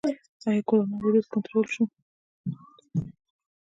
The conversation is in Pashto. آیا کرونا ویروس کنټرول شو؟